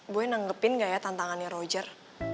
gue nanggepin gak ya tantangannya roger